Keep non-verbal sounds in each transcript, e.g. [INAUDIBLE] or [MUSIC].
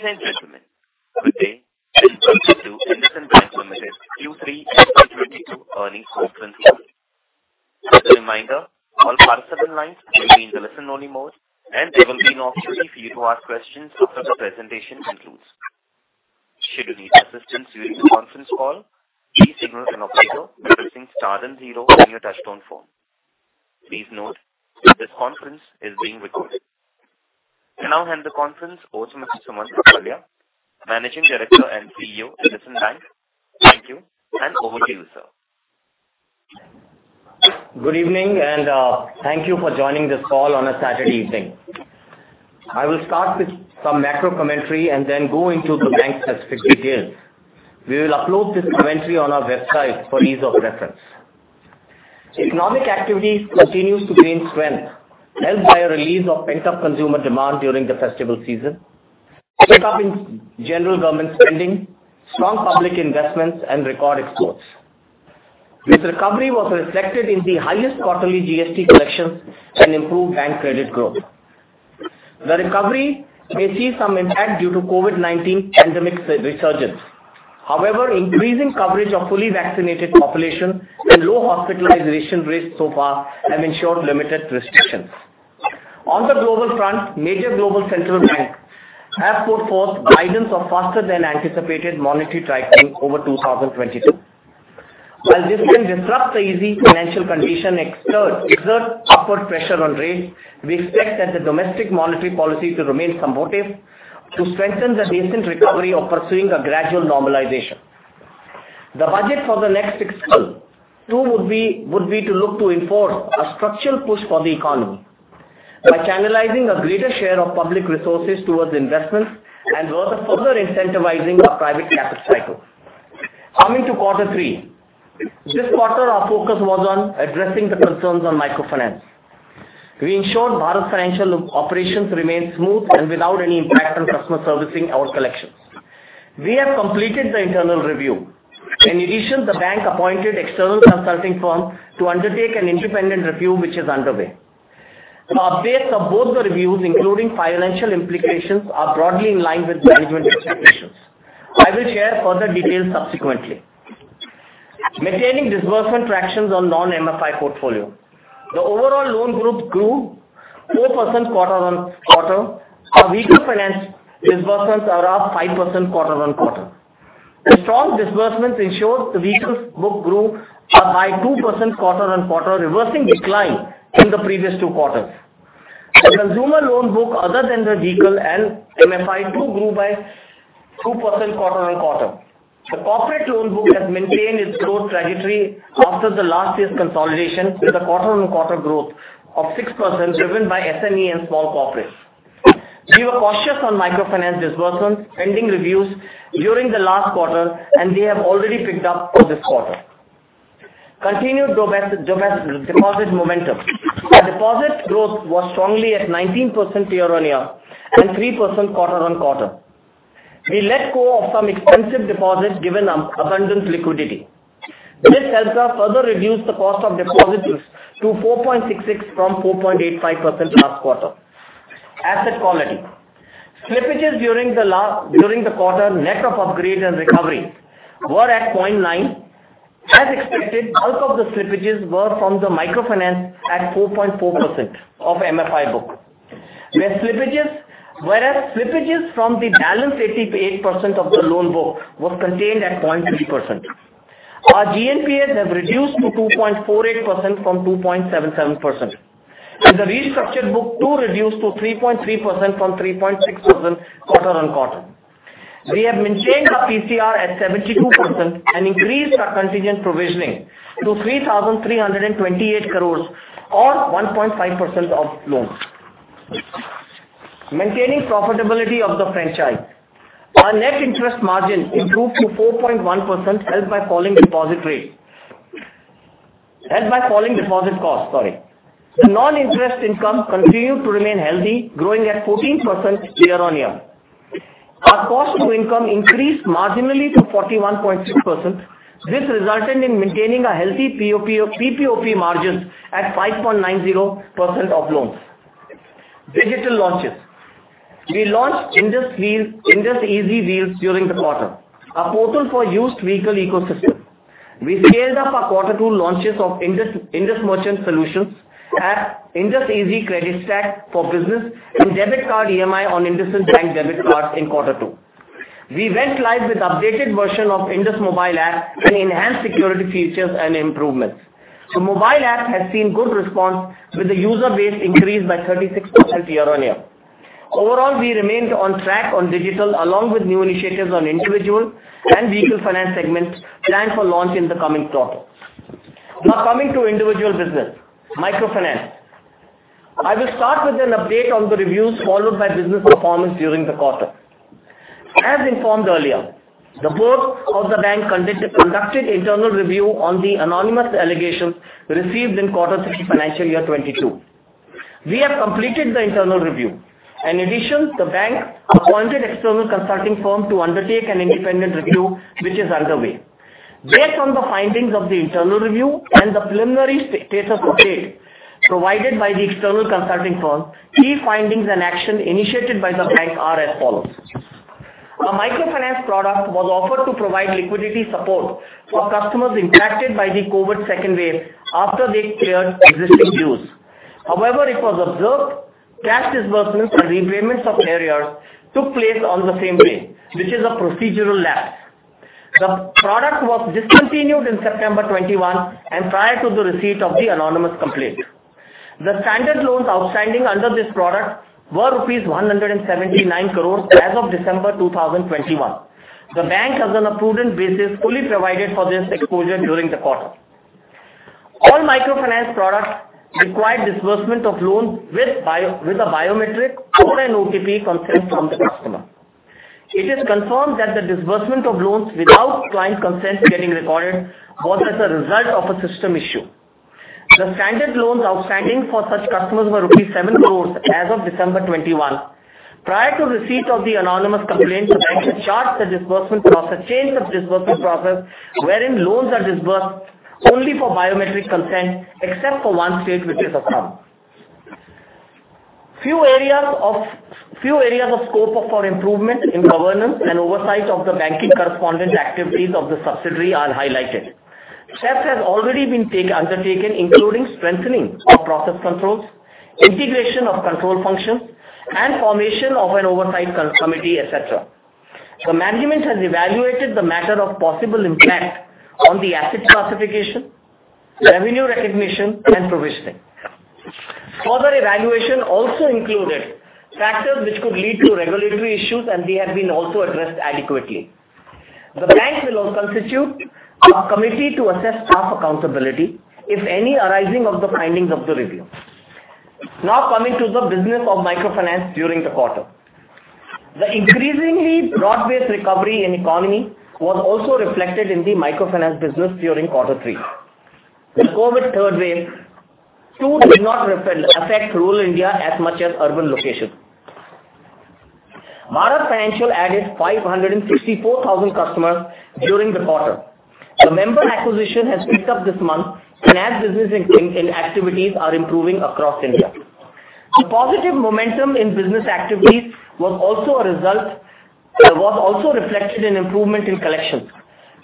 Good evening. Welcome to IndusInd Bank Limited Q3 FY 2022 earnings conference call. As a reminder, all participant lines will be in the listen-only mode, and there will be an option for you to ask questions after the presentation concludes. Should you need assistance during the conference call, please signal an operator by pressing star then zero on your touchtone phone. Please note that this conference is being recorded. I now hand the conference over to Mr. Sumant Kathpalia, Managing Director and CEO, IndusInd Bank. Thank you, and over to you, sir. Good evening, and thank you for joining this call on a Saturday evening. I will start with some macro commentary and then go into the bank-specific details. We will upload this commentary on our website for ease of reference. Economic activities continues to gain strength, helped by a release of pent-up consumer demand during the festival season, a pick-up in general government spending, strong public investments and record exports. This recovery was reflected in the highest quarterly GST collections and improved bank credit growth. The recovery may see some impact due to COVID-19 pandemic resurgence. However, increasing coverage of fully vaccinated population and low hospitalization rates so far have ensured limited restrictions. On the global front, major global central banks have put forth guidance of faster than anticipated monetary tightening over 2022. While this can disrupt the easy financial condition exerts upward pressure on rates, we expect that the domestic monetary policy to remain supportive to strengthen the recent recovery of pursuing a gradual normalization. The budget for the next fiscal too would be to look to enforce a structural push for the economy by channelizing a greater share of public resources towards investments and further incentivizing our private capital cycle. Coming to Q3. This quarter, our focus was on addressing the concerns on microfinance. We ensured Bharat Financial Inclusion operations remained smooth and without any impact on customer servicing or collections. We have completed the internal review. In addition, the bank appointed external consulting firm to undertake an independent review, which is underway. The updates of both the reviews, including financial implications, are broadly in line with management expectations. I will share further details subsequently. Maintaining disbursement traction on non-MFI portfolio. The overall loan book grew 4% quarter-on-quarter. Our vehicle finance disbursements are up 5% quarter-on-quarter. The strong disbursements ensured the vehicle book grew a high 2% quarter-on-quarter, reversing decline in the previous two quarters. The consumer loan book, other than the vehicle and MFI, too grew by 2% quarter-on-quarter. The corporate loan book has maintained its growth trajectory after the last year's consolidation with a quarter-on-quarter growth of 6% driven by SME and small corporates. We were cautious on microfinance disbursements pending reviews during the last quarter, and we have already picked up for this quarter. Continued demand-deposit momentum. Our deposit growth was strong at 19% year-on-year and 3% quarter-on-quarter. We let go of some expensive deposits given our abundant liquidity. This helped us further reduce the cost of deposits to 4.66% from 4.85% last quarter. Asset quality. Slippages during the quarter, net of upgrade and recovery were at 0.9%. As expected, bulk of the slippages were from the microfinance at 4.4% of MFI book, where slippages. Whereas slippages from the balance 88% of the loan book was contained at 0.3%. Our GNPA have reduced to 2.48% from 2.77%. The restructured book too reduced to 3.3% from 3.6% quarter-on-quarter. We have maintained our PCR at 72% and increased our contingent provisioning to 3,328 crores or 1.5% of loans. Maintaining profitability of the franchise. Our net interest margin improved to 4.1%, helped by falling deposit costs, sorry. The non-interest income continued to remain healthy, growing at 14% year-on-year. Our cost to income increased marginally to 41.6%. This resulted in maintaining a healthy PPOP margin at 5.90% of loans. Digital launches. We launched IndusEasyWheels during the quarter, a portal for used vehicle ecosystem. We scaled up our quarter two launches of Indus Merchant Solutions app, IndusEasy Credit Stack for business and debit card EMI on IndusInd Bank debit cards in quarter two. We went live with updated version of IndusMobile app and enhanced security features and improvements. The mobile app has seen good response with the user base increased by 36% year-on-year. Overall, we remained on track on digital along with new initiatives on individual and vehicle finance segments planned for launch in the coming quarters. Now coming to individual business. Microfinance. I will start with an update on the reviews followed by business performance during the quarter. As informed earlier, the board of the bank conducted internal review on the anonymous allegations received in Q3 FY 2022. We have completed the internal review. In addition, the bank appointed external consulting firm to undertake an independent review, which is underway. Based on the findings of the internal review and the preliminary status update provided by the external consulting firm, key findings and action initiated by the bank are as follows. A microfinance product was offered to provide liquidity support for customers impacted by the COVID second wave after they cleared existing dues. However, it was observed cash disbursement and repayments of earlier took place on the same day, which is a procedural lapse. The product was discontinued in September 2021 and prior to the receipt of the anonymous complaint. The standard loans outstanding under this product were rupees 179 crore as of December 2021. The bank, as on a prudent basis, fully provided for this exposure during the quarter. All microfinance products require disbursement of loans with a biometric or an OTP consent from the customer. It is confirmed that the disbursement of loans without client consent getting recorded was as a result of a system issue. The standard loans outstanding for such customers were INR 7 crore as of December 2021. Prior to receipt of the anonymous complaint, the bank had changed the disbursement process, wherein loans are disbursed only for biometric consent, except for one state which is Assam. Few areas of scope for improvement in governance and oversight of the banking correspondent activities of the subsidiary are highlighted. Steps have already been undertaken, including strengthening of process controls, integration of control functions, and formation of an oversight committee, et cetera. The management has evaluated the matter of possible impact on the asset classification, revenue recognition, and provisioning. Further evaluation also included factors which could lead to regulatory issues, and they have been also addressed adequately. The bank will also constitute a committee to assess staff accountability, if any arising of the findings of the review. Now, coming to the business of microfinance during the quarter. The increasingly broad-based recovery in the economy was also reflected in the microfinance business during quarter three. The COVID-19 third wave too did not affect rural India as much as urban locations. Bharat Financial added 554,000 customers during the quarter. The member acquisition has picked up this month and as business and activities are improving across India. The positive momentum in business activities was also reflected in improvement in collections.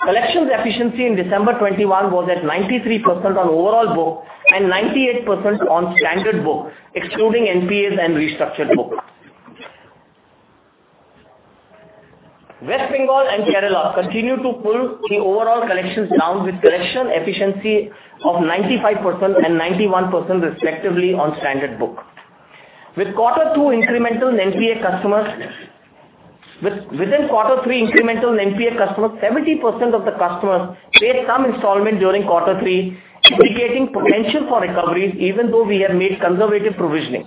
Collections efficiency in December 2021 was at 93% on overall book and 98% on standard book, excluding NPAs and restructured book. West Bengal and Kerala continue to pull the overall collections down with collection efficiency of 95% and 91% respectively on standard book. With Q2 incremental NPA customers... Within Q3 incremental NPA customers, 70% of the customers paid some installment during Q3, indicating potential for recoveries, even though we have made conservative provisioning.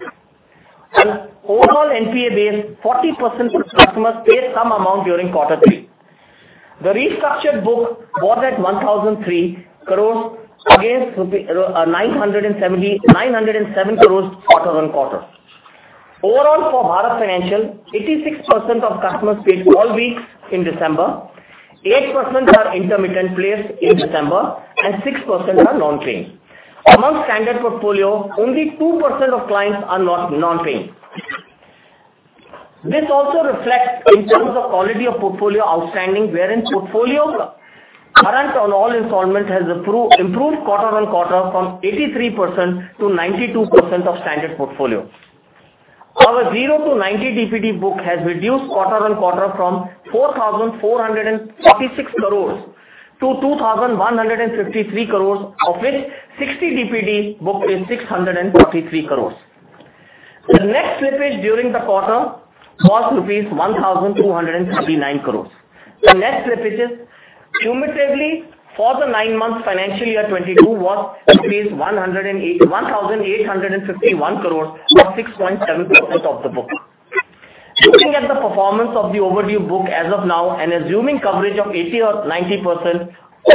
Overall NPA base, 40% of customers paid some amount during Q3. The restructured book was at 1,003 crore against 907 crores quarter-on-quarter. Overall, for Bharat Financial, 86% of customers paid all weeks in December, 8% are intermittent payers in December, and 6% are non-paying. Among standard portfolio, only 2% of clients are non-paying. This also reflects in terms of quality of portfolio outstanding, wherein portfolio current on all installments has improved quarter-on-quarter from 83%-92% of standard portfolio. Our 0-90 DPD book has reduced quarter-on-quarter from 4,436 crores-2,153 crores, of which 60 DPD book is 633 crores. The net slippage during the quarter was rupees 1,239 crores. The net slippages cumulatively for the nine month Financial Year 2022 was 1,851 crores or 6.7% of the book. Looking at the performance of the overdue book as of now and assuming coverage of 80% or 90%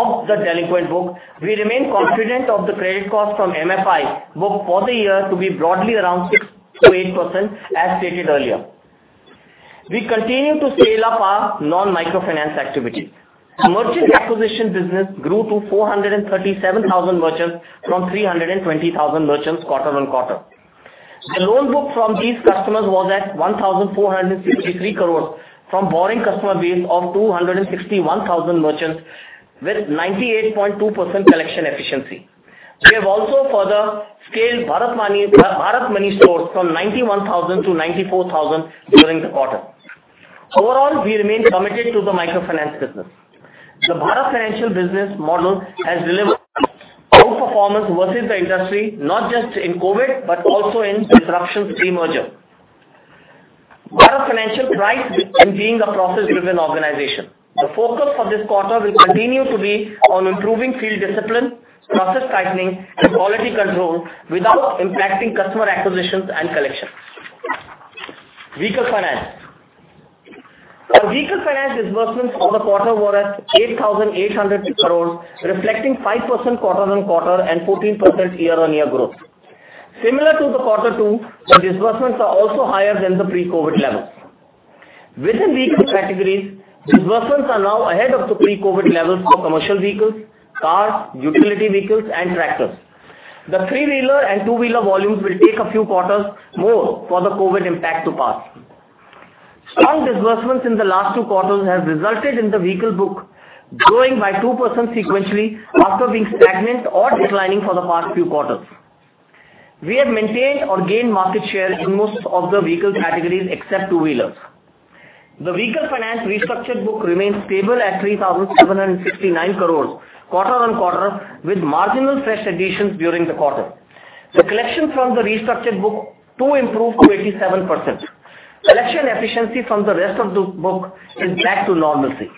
of the delinquent book, we remain confident of the credit cost from MFI book for the year to be broadly around 6%-8%, as stated earlier. We continue to scale up our non-microfinance activities. Merchant acquisition business grew to 437,000 merchants from 320,000 merchants quarter on quarter. The loan book from these customers was at 1,463 crore from borrowing customer base of 261,000 merchants with 98.2% collection efficiency. We have also further scaled Bharat Money stores from 91,000-94,000 during the quarter. Overall, we remain committed to the microfinance business. The Bharat Financial business model has delivered outperformance versus the industry, not just in COVID, but also in disruptions pre-merger. Bharat Financial prides in being a process-driven organization. The focus for this quarter will continue to be on improving field discipline, process tightening, and quality control without impacting customer acquisitions and collections. Vehicle finance. Our vehicle finance disbursements for the quarter were at 8,800 crore, reflecting 5% quarter-on-quarter and 14% year-on-year growth. Similar to the Q2, the disbursements are also higher than the pre-COVID-19 levels. Within vehicle categories, disbursements are now ahead of the pre-COVID-19 levels for commercial vehicles, cars, utility vehicles and tractors. The three-wheeler and two-wheeler volumes will take a few quarters more for the COVID-19 impact to pass. Strong disbursements in the last two quarters have resulted in the vehicle book growing by 2% sequentially after being stagnant or declining for the past few quarters. We have maintained or gained market share in most of the vehicle categories except two-wheelers. The vehicle finance restructured book remains stable at 3,769 crore quarter-on-quarter, with marginal fresh additions during the quarter. The collection from the restructured book too improved to 87%. Collection efficiency from the rest of the book is back to normalcy.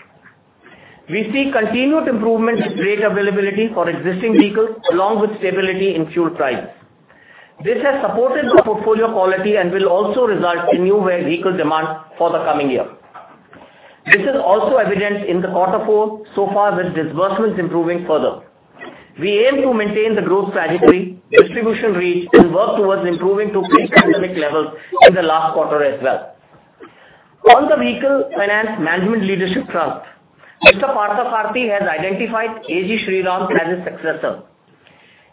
We see continued improvement in rate availability for existing vehicles, along with stability in fuel prices. This has supported the portfolio quality and will also result in new vehicle demand for the coming year. This is also evident in the Q4 so far, with disbursements improving further. We aim to maintain the growth trajectory, distribution reach and work towards improving to pre-pandemic levels in the last quarter as well. On the Vehicle Finance Management Leadership front, Mr. S.V. Parthasarathy has identified A.G. Sriram as his successor.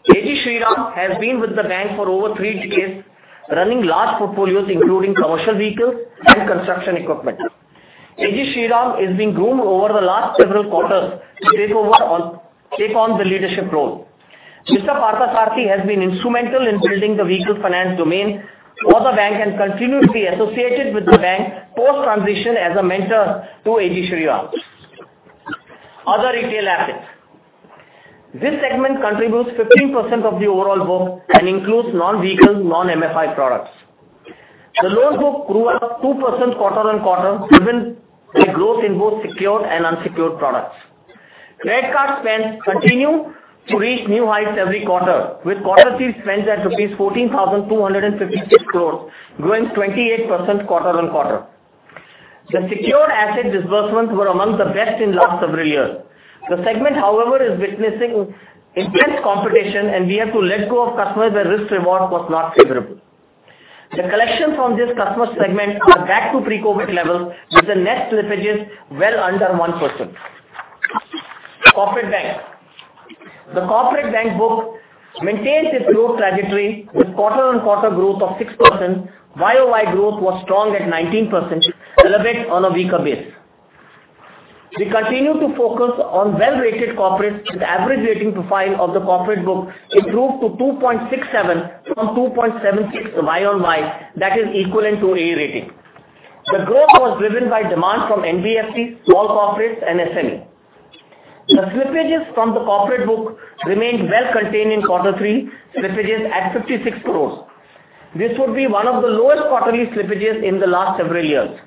A.G. Sriram has been with the bank for over three decades, running large portfolios including commercial vehicles and construction equipment. A.G. Sriram is being groomed over the last several quarters to take on the leadership role. Mr. S.V. Parthasarathy has been instrumental in building the vehicle finance domain for the bank and continues to be associated with the bank post-transition as a mentor to A.G. Sriram. Other retail assets. This segment contributes 15% of the overall book and includes non-vehicle, non-MFI products. The loan book grew at 2% quarter-on-quarter, driven by growth in both secured and unsecured products. Credit card spends continue to reach new heights every quarter, with quarterly spends at rupees 14,256 crores, growing 28% quarter-on-quarter. The secured asset disbursements were among the best in last several years. The segment, however, is witnessing intense competition, and we have to let go of customers where risk-reward was not favorable. The collection from this customer segment are back to pre-COVID levels, with the net slippages well under 1%. Corporate bank. The corporate book maintains its growth trajectory with quarter-on-quarter growth of 6%. YoY growth was strong at 19%, albeit on a weaker base. We continue to focus on well-rated corporates, with average rating profile of the corporate book improved to 2.67 from 2.76 YoY, that is equivalent to A rating. The growth was driven by demand from NBFC, small corporates and SME. The slippages from the corporate book remained well contained in Q3, slippages at 56 crore. This would be one of the lowest quarterly slippages in the last several years.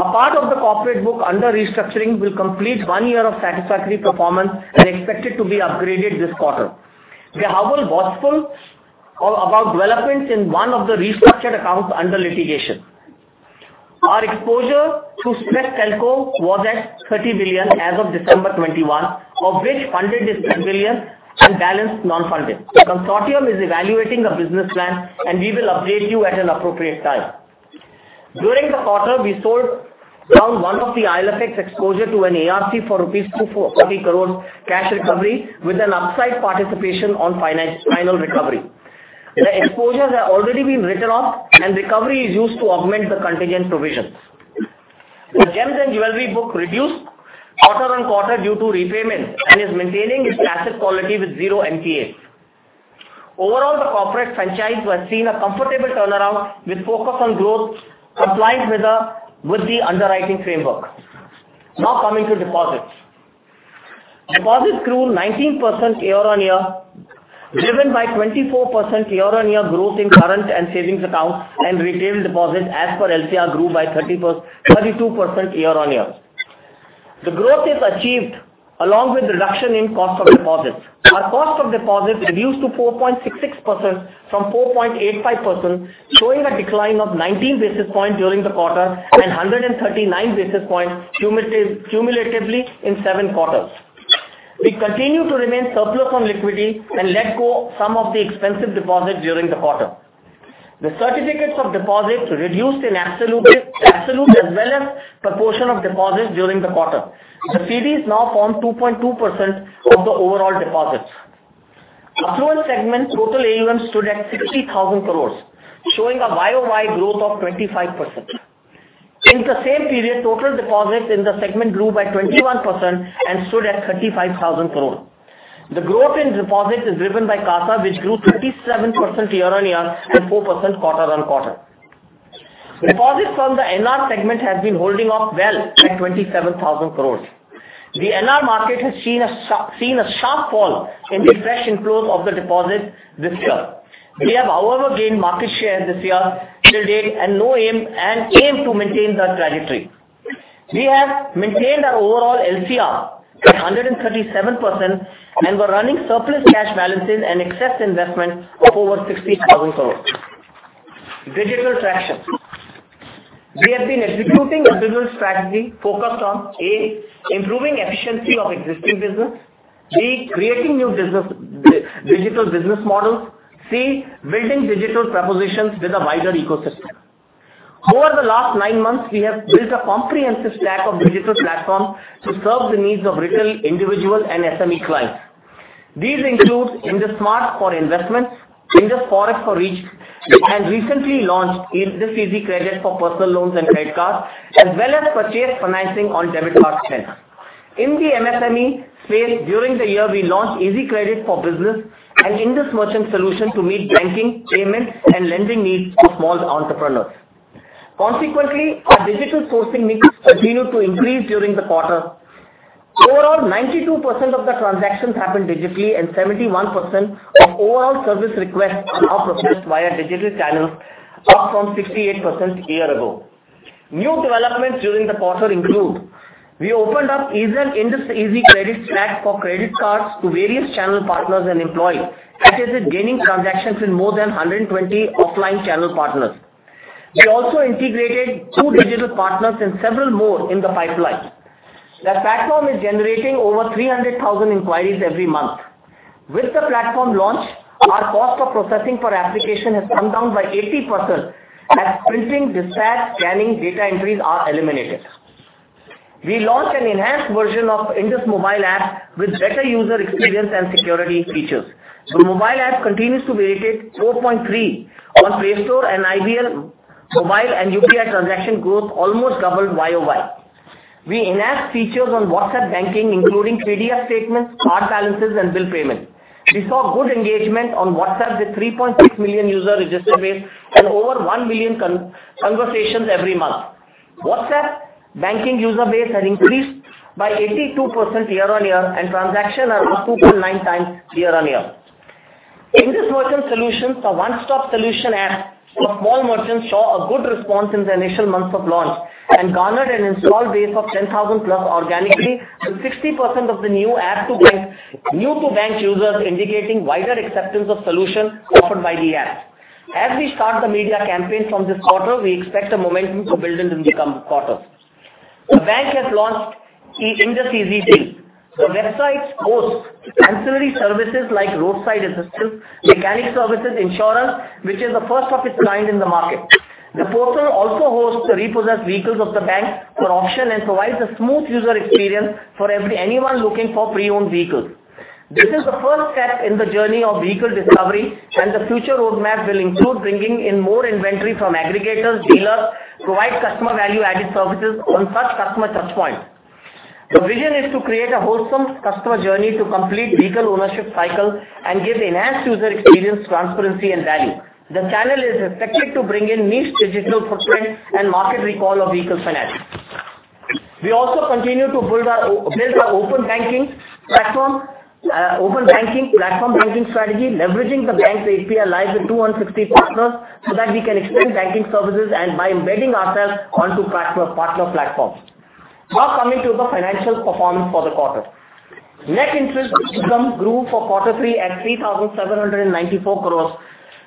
A part of the corporate book under restructuring will complete one year of satisfactory performance and expected to be upgraded this quarter. We are hopeful about developments in one of the restructured accounts under litigation. Our exposure to Vodafone Idea was at 30 billion as of December 2021, of which funded is 10 billion and balance non-funded. The consortium is evaluating the business plan and we will update you at an appropriate time. During the quarter, we sold down one of the IL&FS exposure to an ARC for 230 crore rupees cash recovery with an upside participation on future final recovery. The exposures have already been written off and recovery is used to augment the contingent provisions. The gems and jewelry book reduced quarter-on-quarter due to repayments and is maintaining its asset quality with zero NPAs. Overall, the corporate franchise has seen a comfortable turnaround with focus on growth compliance with the underwriting framework. Now coming to deposits. Deposits grew 19% year-on-year, driven by 24% year-on-year growth in current and savings accounts and retail deposits as per LCR grew by 32% year-on-year. The growth is achieved along with reduction in cost of deposits. Our cost of deposits reduced to 4.66% from 4.85%, showing a decline of 19 basis points during the quarter and 139 basis points cumulatively in seven quarters. We continue to remain surplus on liquidity and let go some of the expensive deposits during the quarter. The certificates of deposits reduced in absolute as well as proportion of deposits during the quarter. The CDs now form 2.2% of the overall deposits. Affluent segment total AUM stood at 60,000 crores, showing a YOY growth of 25%. In the same period, total deposits in the segment grew by 21% and stood at 35,000 crore. The growth in deposits is driven by CASA, which grew 37% year-on-year and 4% quarter-on-quarter. Deposits from the NR segment has been holding up well at 27,000 crore. The NR market has seen a sharp fall in the fresh inflows of the deposits this year. We have, however, gained market share this year to date and aim to maintain that trajectory. We have maintained our overall LCR at 137% and were running surplus cash balances and excess investment of over 60,000 crore. Digital traction. We have been aggressively digital strategy focused on, A, improving efficiency of existing business. B, creating new business, digital business models. C, building digital propositions with a wider ecosystem. Over the last nine months, we have built a comprehensive stack of digital platforms to serve the needs of retail, individual, and SME clients. These include IndusSmart for investments, IndusForex for reach. We have recently launched IndusEasy Credit for personal loans and credit cards, as well as purchase financing on debit card spends. In the MSME space during the year, we launched Easy Credit for business and Indus Merchant Solutions to meet banking, payments, and lending needs for small entrepreneurs. Consequently, our digital sourcing mix continued to increase during the quarter. Overall, 92% of the transactions happened digitally, and 71% of overall service requests are now processed via digital channels, up from 68% a year ago. New developments during the quarter include. We opened up IndusEasy Credit stack for credit cards to various channel partners and employees, such as gaining transactions in more than 120 offline channel partners. We also integrated two digital partners and several more in the pipeline. The platform is generating over 300,000 inquiries every month. With the platform launch, our cost for processing per application has come down by 80% as printing, dispatch, scanning, data entries are eliminated. We launched an enhanced version of IndusMobile app with better user experience and security features. The mobile app continues to rate at 4.3 on Play Store and IBL. Mobile and UPI transaction growth almost doubled year-over-year. We enhanced features on WhatsApp banking, including PDF statements, card balances, and bill payments. We saw good engagement on WhatsApp with 3.6 million user registered base and over 1 million conversations every month. WhatsApp banking user base has increased by 82% year-on-year and transactions are up 2.9 times year-on-year. Indus Merchant Solutions, a one-stop solution app for small merchants, saw a good response in the initial months of launch and garnered an installed base of +10,000 organically, with 60% of the new-to-bank users, indicating wider acceptance of solutions offered by the app. As we start the media campaign from this quarter, we expect the momentum to build in the coming quarters. The bank has launched IndusEasyWheels. The website hosts ancillary services like roadside assistance, mechanic services, insurance, which is the first of its kind in the market. The portal also hosts the repossessed vehicles of the bank for auction and provides a smooth user experience for anyone looking for pre-owned vehicles. This is the first step in the journey of vehicle discovery, and the future roadmap will include bringing in more inventory from aggregators, dealers, provide customer value-added services on such customer touch points. The vision is to create a wholesome customer journey to complete vehicle ownership cycle and give enhanced user experience, transparency, and value. The channel is expected to bring in niche digital footprint and market recall of vehicle finance. We also continue to build our open banking platform banking strategy, leveraging the bank's API alliances with 260 partners, so that we can extend banking services and by embedding ourselves onto partner platforms. Now coming to the financial performance for the quarter. Net interest income grew for Q3 at 3,794 crores,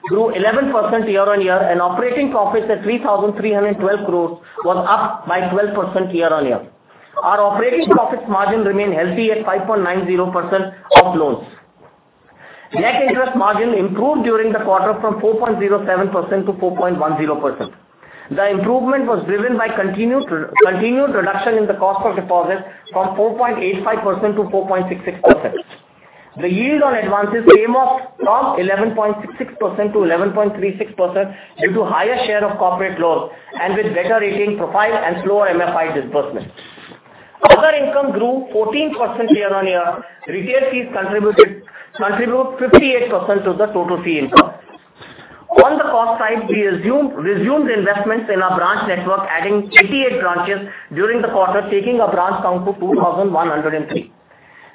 grew 11% year-on-year, and operating profits at 3,312 crores was up by 12% year-on-year. Our operating profits margin remained healthy at 5.90% of loans. Net interest margin improved during the quarter from 4.07%-4.10%. The improvement was driven by continued reduction in the cost of deposits from 4.85%-4.66%. The yield on advances came off from 11.66%-11.36% due to higher share of corporate loans and with better rating profile and slower MFI disbursement. Other income grew 14% year-on-year. Retail fees contribute 58% of the total fee income. On the cost side, we resumed investments in our branch network, adding 88 branches during the quarter, taking our branch count to 2,103.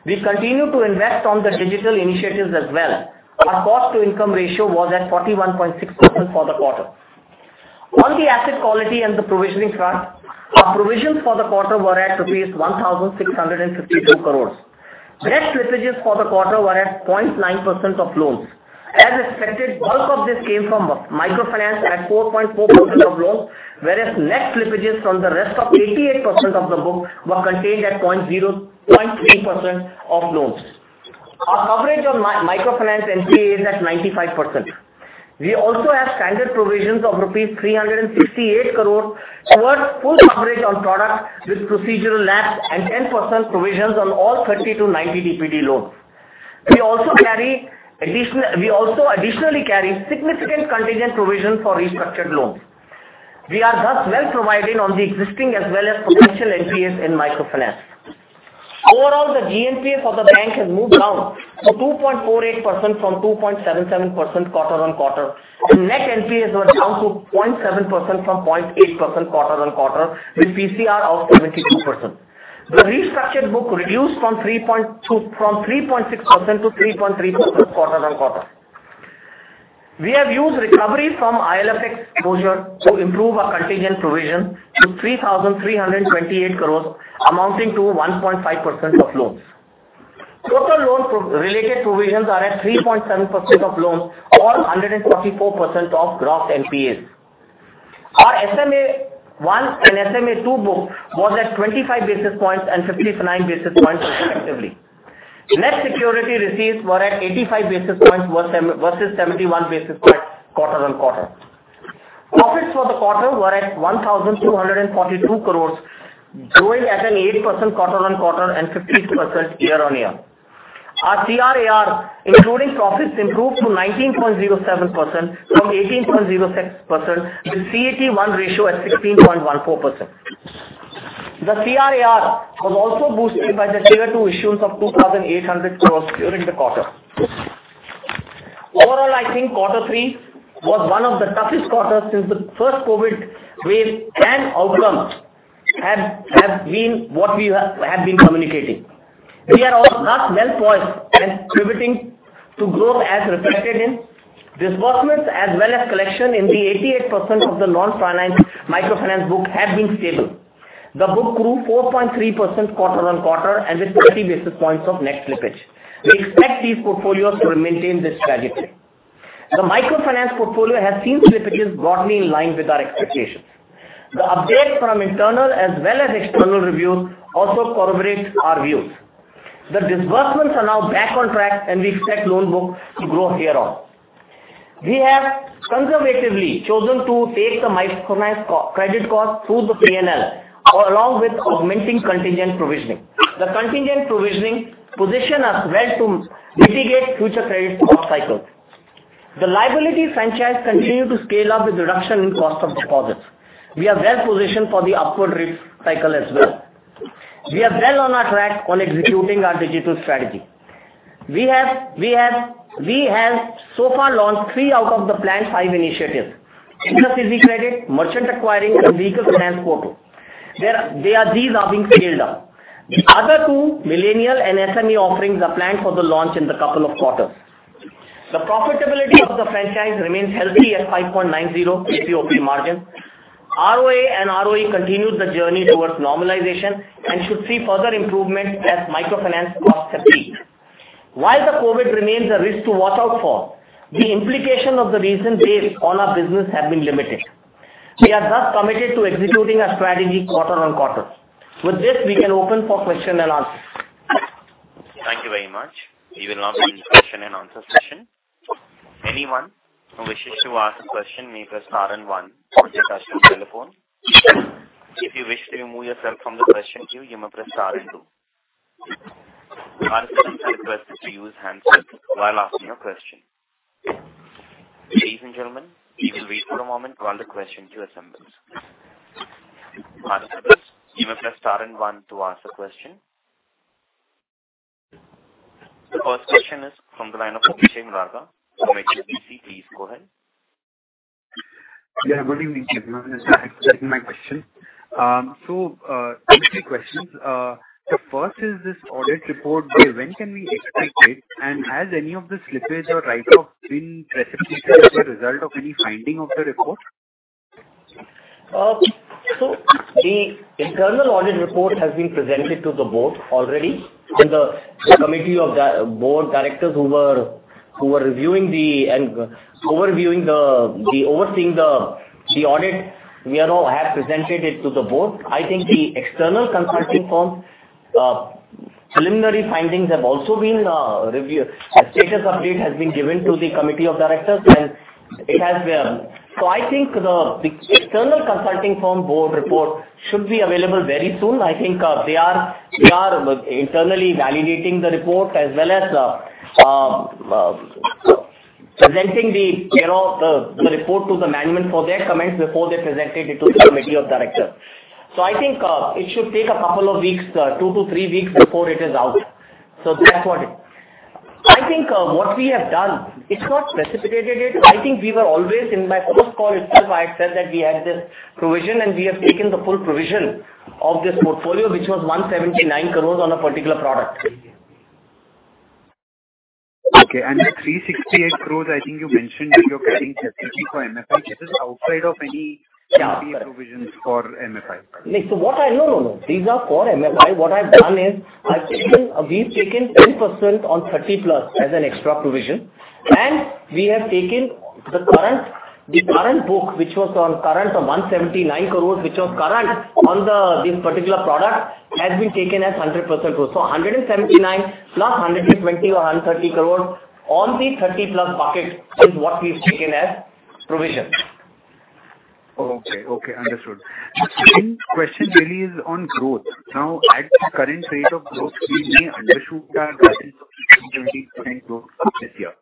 We continue to invest on the digital initiatives as well. Our cost-to-income ratio was at 41.6% for the quarter. On the asset quality and the provisioning front, our provisions for the quarter were at rupees 1,652 crore. Net slippages for the quarter were at 0.9% of loans. As expected, bulk of this came from microfinance at 4.4% of loans, whereas net slippages from the rest of 88% of the book were contained at 0.3% of loans. Our coverage on microfinance NPA is at 95%. We also have standard provisions of rupees 368 crore towards full coverage on products with procedural lapse and 10% provisions on all 30-90 DPD loans. We also additionally carry significant contingent provision for restructured loans. We are thus well provided on the existing as well as potential NPAs in microfinance. Overall, the GNPA for the bank has moved down to 2.48% from 2.77% quarter-on-quarter, and net NPAs were down to 0.7% from 0.8% quarter-on-quarter, with PCR of 72%. The restructured book reduced from 3.6%-3.3% quarter-on-quarter. We have used recovery from IL&FS closure to improve our contingent provision to 3,328 crore, amounting to 1.5% of loans. Total loan provision-related provisions are at 3.7% of loans or 144% of gross NPAs. Our SMA-1 and SMA-2 book was at 25 basis points and 59 basis points respectively. Net security receipts were at 85 basis points versus 71 basis points quarter-on-quarter. Profits for the quarter were at 1,242 crore, growing at an 8% quarter-on-quarter and 15% year-on-year. Our CRAR, including profits, improved to 19.07% from 18.06%, with CET1 ratio at 16.14%. The CRAR was also boosted by the Tier two issuance of 2,800 crore during the quarter. Overall, I think Q3 was one of the toughest quarters since the first COVID wave and outcomes have been what we have been communicating. We are thus well poised and pivoting to growth as reflected in disbursements as well as collection in the 88% of the non-finance microfinance book have been stable. The book grew 4.3% quarter-on-quarter and with 30 basis points of net slippage. We expect these portfolios to maintain this trajectory. The microfinance portfolio has seen slippages broadly in line with our expectations. The updates from internal as well as external reviews also corroborate our views. The disbursements are now back on track, and we expect loan book to grow hereon. We have conservatively chosen to take the microfinance credit cost through the PNL along with augmenting contingent provisioning. The contingent provisioning position us well to mitigate future credit cost cycles. The liability franchise continue to scale up with reduction in cost of deposits. We are well positioned for the upward rate cycle as well. We are well on our track on executing our digital strategy. We have so far launched three out of the planned five initiatives: IndusEasy Credit, Indus Merchant Solutions, and Indus EasyWheels. These are being scaled up. The other two, IndusMobile and SME offerings, are planned for the launch in the couple of quarters. The profitability of the franchise remains healthy at 5.90% PPOP margin. ROA and ROE continued the journey towards normalization and should see further improvement as microfinance costs have peaked. While the COVID remains a risk to watch out for, the implication of the recent wave on our business have been limited. We are thus committed to executing our strategy quarter on quarter. With this, we can open for question and answer. Thank you very much. We will now begin question and answer session. Anyone who wishes to ask a question may press star and one on their telephone. If you wish to remove yourself from the question queue, you may press star and two. Participants are requested to use handset while asking your question. Ladies and gentlemen, we will wait for a moment while the question queue assembles. Participants, you may press star and one to ask a question. The first question is from the line of Abhishek Murarka from HSBC. Please go ahead. Yeah. Good evening. Yeah. [AUDIO DISTORTION] My question. So, two quick questions. The first is this audit report. When can we expect it, and has any of the slippage or write-off been precipitated as a result of any finding of the report? The internal audit report has been presented to the board already and the committee of directors who were reviewing and overseeing the audit have all presented it to the board. I think the external consulting firm's preliminary findings have also been reviewed. A status update has been given to the committee of directors and it has been. I think the external consulting firm's board report should be available very soon. I think they are internally validating the report as well as presenting you know the report to the management for their comments before they present it to the committee of directors. I think it should take a couple of weeks, two-three weeks before it is out. That's what it is. I think, what we have done, it's not precipitated it. I think we were always, in my first call itself, I had said that we had this provision and we have taken the full provision of this portfolio, which was 179 crore on a particular product. Okay. The 368 crores I think you mentioned that you're keeping separately for MFI, which is outside of any- Yeah. NPA provisions for MFI. No, no. These are for MFI. What I've done is we've taken 10% on 30-plus as an extra provision, and we have taken the current book, which was on current of 179 crores. This particular product has been taken as 100% book. 179 + 120 or 130 crores on the 30-plus bucket is what we've taken as provision. Okay. Understood. The second question really is on growth. Now, at the current rate of growth, we may undershoot our guidance of 20% growth this year.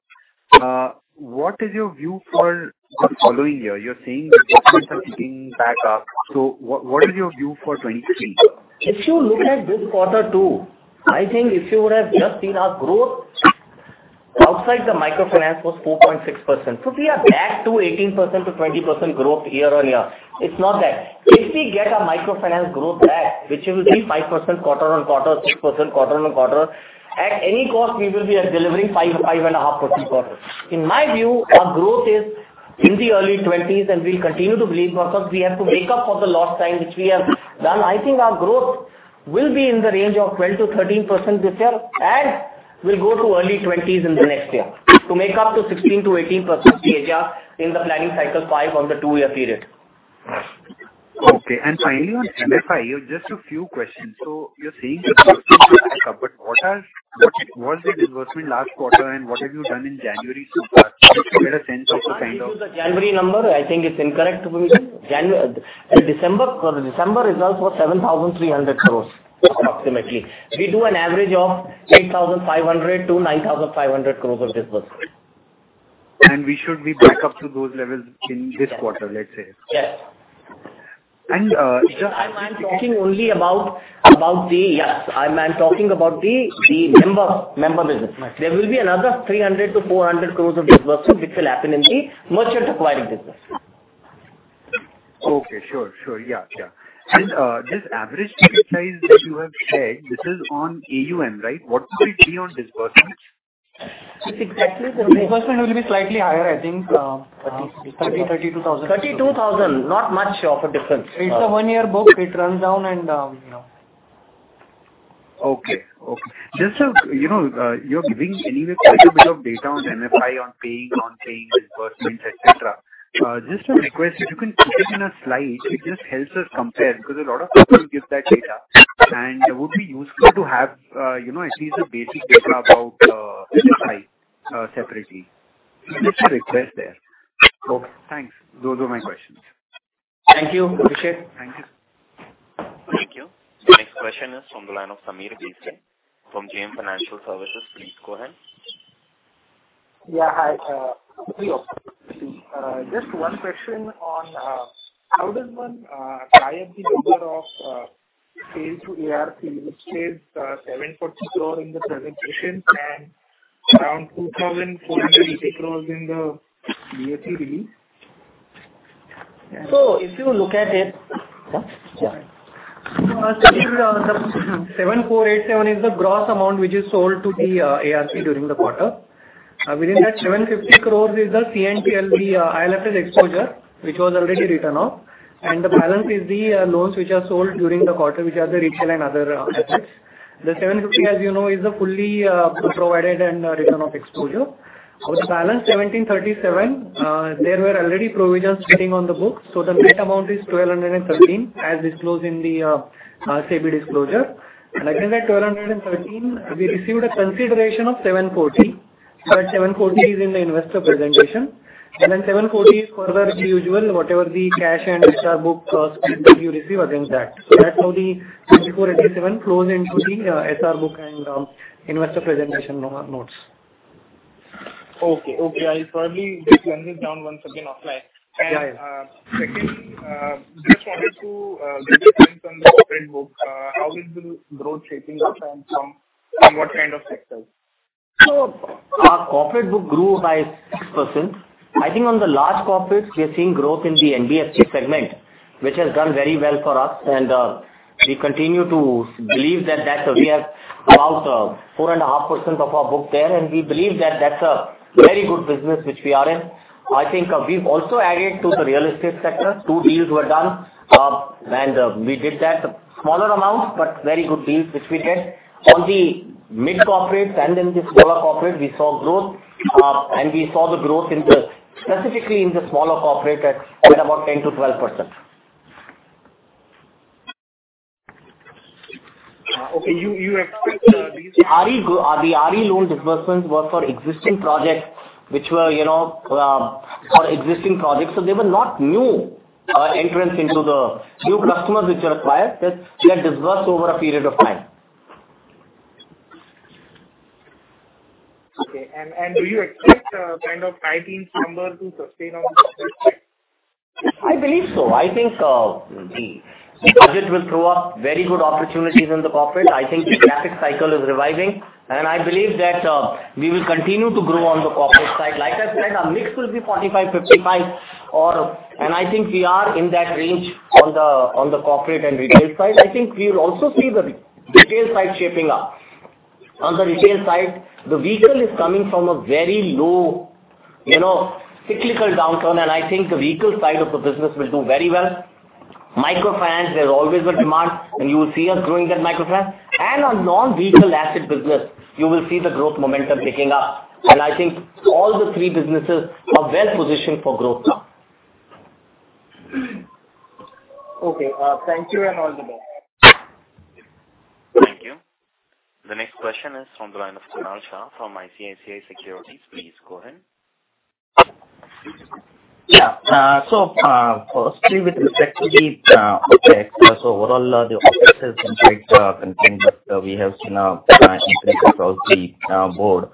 What is your view for the following year? You're saying disbursements are picking back up. What is your view for 2023? If you look at this quarter too, I think if you would have just seen our growth outside the microfinance was 4.6%. We are back to 18%-20% growth year-on-year. It's not that. If we get our microfinance growth back, which will be 5% quarter-on-quarter, 6% quarter-on-quarter, at any cost, we will be delivering 5.5% growth. In my view, our growth is in the early 20s and we'll continue to believe because we have to make up for the lost time which we have done. I think our growth will be in the range of 12%-13% this year, and we'll go to early 20s in the next year to make up to 16%-18% CAGR in the planning cycle five on the two-year period. Okay. Finally, on MFI, just a few questions. So you're saying what is the disbursement last quarter and what have you done in January to get a sense of the kind of- January number, I think it's incorrect. December, for December it was 7,300 crores, approximately. We do an average of 8,500-9,500 crores of disbursement. We should be back up to those levels in this quarter, let's say. Yes. And just [CROSSTALK] I'm talking only about the member business. Yes, I'm talking about the member business. There will be another 300 crore-400 crore of disbursements which will happen in the merchant acquiring business. Okay. Sure. Yeah. This average ticket size that you have shared, this is on AUM, right? What will it be on disbursements? It's exactly the- [CROSSTALK] Disbursement will be slightly higher, I think, 32,000. 32,000. Not much of a difference. It's a one-year book. It runs down and, you know. Okay. Just so you know, you're giving anyway quite a bit of data on MFI, on paying disbursements, et cetera. Just a request, if you can put it in a slide, it just helps us compare because a lot of people give that data, and it would be useful to have, you know, at least the basic data about MFI separately. Just a request there. Okay. Thanks. Those are my questions. Thank you. Appreciate. Thank you. Thank you. The next question is from the line of Sameer Bhise from JM Financial Services. Please go ahead. Yeah. Hi. Just one question on how does one tie up the number of sales to ARP, which says 740 crore in the presentation and around 2,480 crore in the QAT release? If you look at it. Yeah. INR 7,487 crore is the gross amount which is sold to the ARC during the quarter. Within that 750 crore is the corporate NPL IL&FS exposure, which was already written off, and the balance is the loans which are sold during the quarter, which are the retail and other assets. The 750, as you know, is a fully provided and written off exposure. For the balance 1,737, there were already provisions sitting on the books, so the net amount is 1,213, as disclosed in the SEBI disclosure. That 1,213, we received a consideration of 740. That 740 is in the investor presentation. 740 is further the usual, whatever the cash and haircut book costs you receive against that. That's how the 7487 flows into the SR book and investor presentation no notes. Okay. I'll probably break this down once again offline. Yeah, yeah. Second, just wanted to get your sense on the corporate book. How is the growth shaping up and from what kind of sectors? Our corporate book grew by 6%. I think on the large corporates, we are seeing growth in the NBFC segment, which has done very well for us and we continue to believe that that we have about 4.5% of our book there, and we believe that that's a very good business which we are in. I think we've also added to the real estate sector. Two deals were done and we did that. Smaller amounts, but very good deals which we get. On the mid corporates and in the smaller corporate, we saw growth. We saw the growth specifically in the smaller corporate at about 10%-12%. Okay. You expect these- The RE loan disbursements were for existing projects which were for existing projects. They were not new entrants into the new customers which are acquired. They are disbursed over a period of time. Okay. And do you expect kind of 19 number to sustain on the corporate side? I believe so. I think the budget will throw up very good opportunities in the corporate. I think the CapEx cycle is reviving, and I believe that we will continue to grow on the corporate side. Like I said, our mix will be 45-55 or and I think we are in that range on the corporate and retail side. I think we'll also see the retail side shaping up. On the retail side, the vehicle is coming from a very low, you know, cyclical downturn, and I think the vehicle side of the business will do very well. Microfinance, there's always a demand, and you will see us growing that microfinance. On non-vehicle asset business, you will see the growth momentum picking up. I think all the three businesses are well-positioned for growth now. Okay. Thank you and all the best. Thank you. The next question is from the line of Kunal Shah from ICICI Securities. Please go ahead. Firstly with respect to the OpEx. Overall, the OpEx has been quite contained that we have seen increase across the board.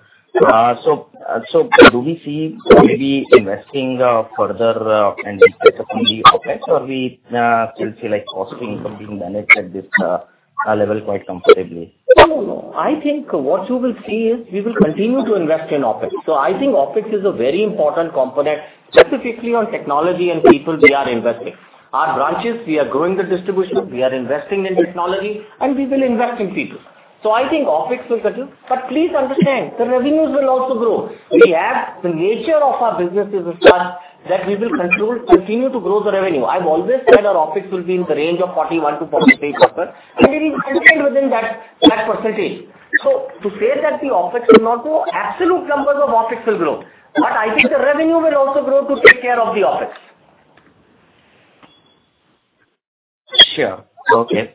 Do we see maybe investing further and specifically OpEx or we still feel like costing is being managed at this level quite comfortably? No, no. I think what you will see is we will continue to invest in OpEx. I think OpEx is a very important component, specifically on technology and people we are investing. Our branches, we are growing the distribution, we are investing in technology, and we will invest in people. I think OpEx will continue. Please understand, the revenues will also grow. The nature of our business is such that we will continue to grow the revenue. I've always said our OpEx will be in the range of 41%-43%, and it is consistent within that percentage. So to say that the OpEx will not grow, absolute numbers of OpEx will grow, but I think the revenue will also grow to take care of the OpEx. Sure. Okay.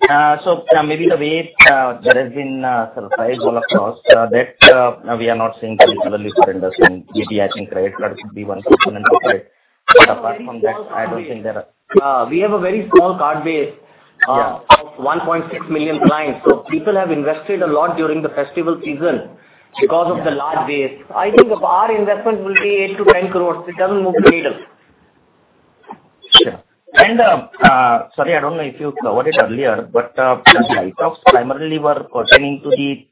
Maybe the way there has been surprise all across, that we are not seeing any further deterioration in GNPA, credit card should be one component of it. Apart from that, I don't think there are We have a very small card base. Yeah. Of 1.6 million clients. People have invested a lot during the festival season because of the large base. I think our investment will be 8 crores-10 crores, which hasn't moved the needle. Sure. Sorry, I don't know if you covered it earlier, but the write-offs primarily were pertaining to the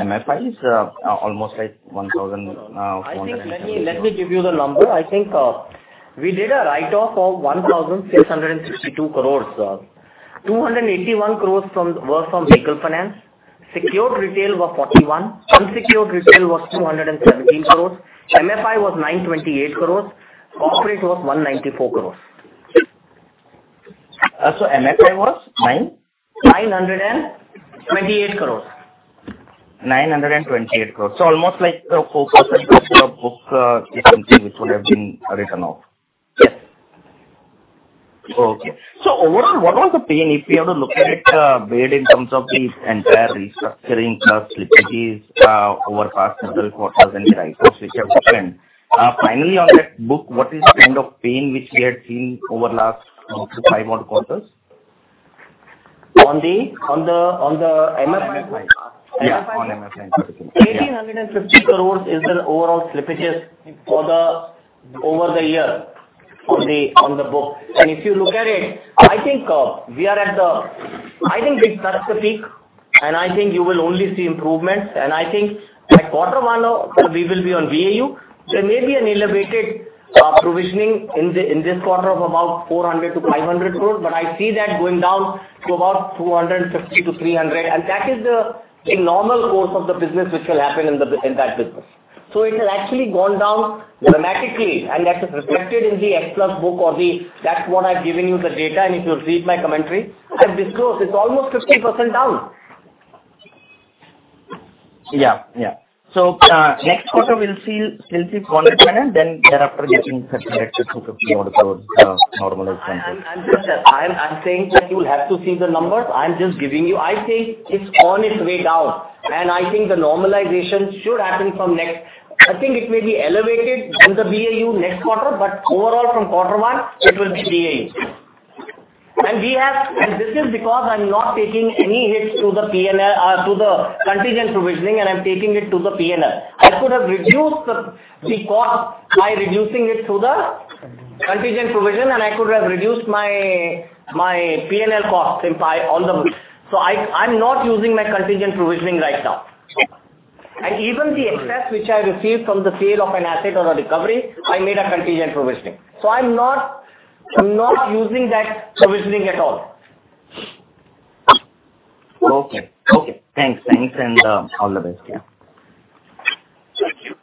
MFIs, almost like 1,470 million. I think let me give you the number. I think we did a write-off of INR 1,662 crores. INR 281 crores were from vehicle finance. Secured retail was INR 41 crores. Unsecured retail was INR 217 crores. MFI was INR 928 crores. Corporate was INR 194 crores. MFI was nine? INR 928 crores. INR 928 crore. Almost like 4% of your book, FMC, which would have been written off. Yes. Okay. Overall, what was the pain if we have to look at it in terms of the entire restructuring plus slippages over past several quarters and the write-offs which have happened. Finally, on that book, what is the kind of pain which we had seen over last five odd quarters? On the MFIs? On MFIs. Yeah, on MFIs. 1,850 crores is the overall slippages over the year on the book. If you look at it, I think we are at the peak, and I think you will only see improvements. I think at quarter one we will be on VAU. There may be an elevated provisioning in this quarter of about 400-500 crores, but I see that going down to about 250-300. That is a normal course of the business which will happen in that business. It has actually gone down dramatically, and that is reflected in the X Plus book or the. That's what I'm giving you the data, and if you read my commentary, I've disclosed it's almost 50% down. Next quarter we'll see 400 million, then thereafter getting INR 30 crore-INR 50 crore odd, normalize something. I'm saying that you will have to see the numbers. I'm just giving you. I think it's on its way down, and I think the normalization should happen from next quarter. I think it may be elevated in the VAU next quarter, but overall from quarter one it will be VAU. This is because I'm not taking any hits to the PNL, to the contingent provisioning, and I'm taking it to the PNL. I could have reduced the cost by reducing it through the contingent provision, and I could have reduced my PNL costs if I on the book. I'm not using my contingent provisioning right now. Even the excess which I received from the sale of an asset or a recovery, I made a contingent provisioning. I'm not using that provisioning at all. Okay. Thanks, and all the best. Yeah. Thank you.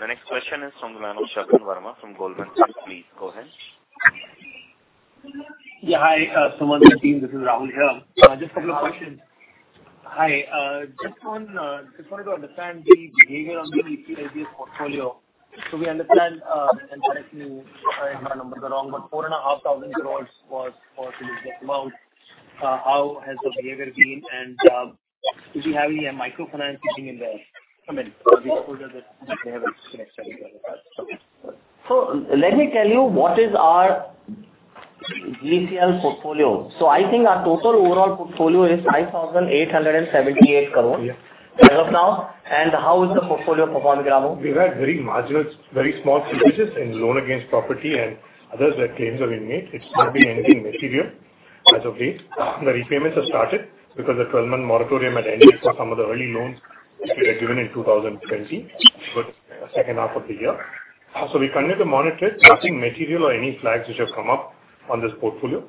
The next question is from the line of Shagun Verma from Goldman Sachs. Please go ahead. Hi, Sumant and team, this is Rahul here. Just a couple of questions. Just wanted to understand the behavior on the ECLGS portfolio. We understand, and correct me if my numbers are wrong, but 4,500 crore was possibly the amount. How has the behavior been? And, did you have any microfinance sitting in the, I mean, the exposure that they have. Let me tell you what is our ECLGS portfolio. I think our total overall portfolio is 5,878 crore- Yeah. as of now. How is the portfolio performing, Rahul? We've had very marginal, very small slippages in loan against property and others where claims are being made. It's not been anything material as of date. The repayments have started because the twelve-month moratorium had ended for some of the early loans which we had given in 2020, but second half of the year. We continue to monitor it. Nothing material or any flags which have come up on this portfolio.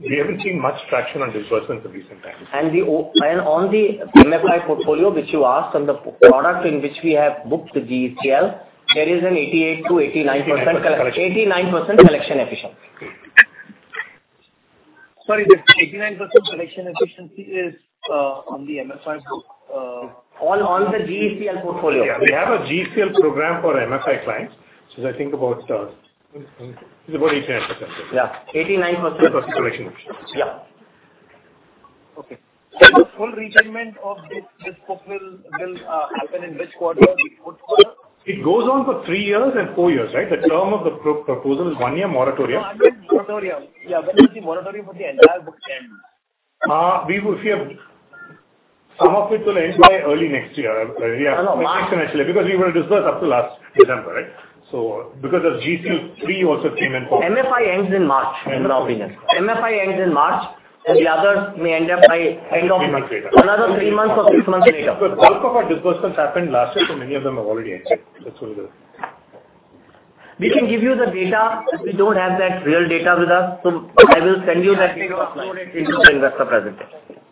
We haven't seen much traction on disbursements of recent times. On the MFI portfolio which you asked on the product in which we have booked the ECLGS, there is an 88%-89%. 89% collection. [CROSSTALK] 89% collection efficiency. Sorry, the 89% collection efficiency is on the MFI book. On the ECLGS portfolio. Yeah. We have a ECLGS program for MFI clients, which is, I think, about 89%. Yeah. 89%. [CROSSTALK] 89% collection. Yeah. Okay. The full recognition of this book will happen in which quarter? It goes on for three years and four years, right? The term of the proposal is one-year moratorium. No, I meant moratorium. Yeah. When does the moratorium for the entire book end? We will see it. Some of it will end by early next year. Yeah. Next year. Because we were disbursed up to last December, right? Because of ECLGS 3.0 Also came in for- [CROSSTALK] MFI ends in March, in my opinion, and the others may end up by end of. Three months later. Another three months or six months later. [CROSSTALK] The bulk of our disbursements happened last year, so many of them have already ended. That's why the- We can give you the data. We don't have that real data with us, so I will send you that data into the investor presentation.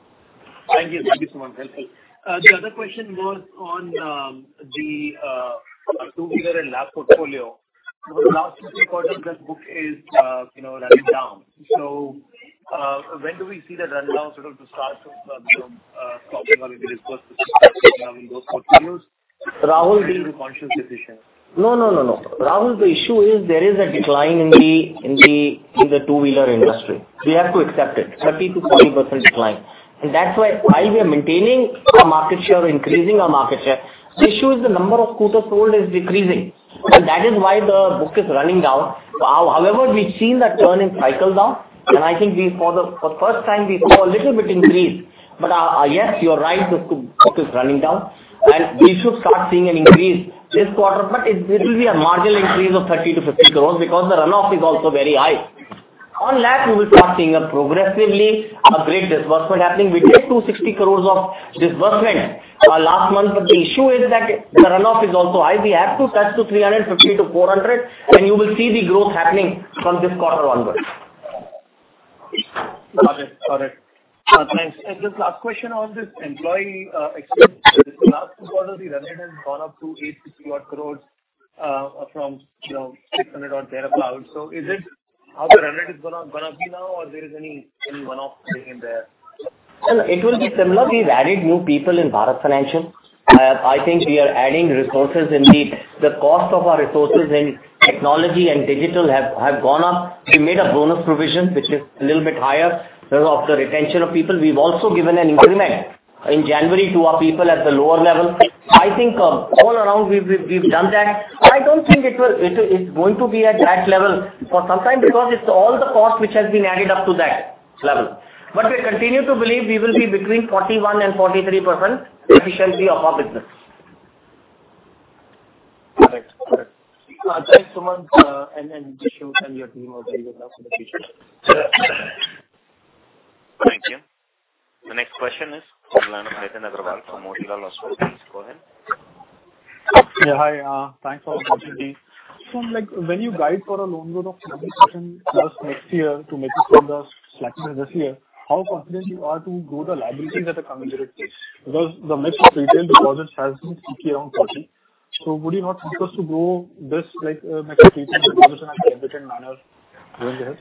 Thank you. Thank you so much. That's it. The other question was on the two-wheeler and loan portfolio. Over the last 2-3 quarters, that book is you know running down. When do we see the run down sort of start to you know stopping or the disbursement in those portfolios? Rahul- Will it be a conscious decision? No, no, no. Rahul, the issue is there is a decline in the two-wheeler industry. We have to accept it, 30%-40% decline. That's why while we are maintaining our market share, increasing our market share, the issue is the number of scooters sold is decreasing. That is why the book is running down. However, we've seen that turning cycle now, and I think for the first time we saw a little bit increase. Yes, you're right, the book is running down, and we should start seeing an increase this quarter, but it will be a marginal increase of 30 crore-50 crore because the runoff is also very high. Overall, we will start seeing progressively greater disbursement happening. We did 260 crore of disbursement last month, but the issue is that the runoff is also high. We have to touch 350 crore-400 crore, and you will see the growth happening from this quarter onwards. Got it. Thanks. Just last question on this employee expense. In the last two quarters, the run rate has gone up to 860 crore from, you know, 600 crore thereabout. Is it how the run rate is gonna be now or there is any one-off thing in there? Well, it will be similar. We've added new people in Bharat Financial. I think we are adding resources. The cost of our resources in technology and digital have gone up. We made a bonus provision which is a little bit higher because of the retention of people. We've also given an increment in January to our people at the lower level. I think, all around we've done that. I don't think it's going to be at that level for some time because it's all the cost which has been added up to that level. But we continue to believe we will be between 41% and 43% efficiently of our business. Correct. Thanks, Sumant, and Bishu and your team over there. Good luck for the future. Thank you. The next question is from the line of Nitin Aggarwal from Motilal Oswal. Please go ahead. Yeah. Hi, thanks for the opportunity. Like, when you guide for a loan growth of +30% next year to make up from the slackness this year, how confident you are to grow the liabilities at a commensurate pace? Because the mix of retail deposits has been sticky around 40%. Would you not be forced to grow this like, mix of retail deposits at a different manner going ahead?